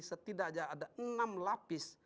setidaknya ada enam lapis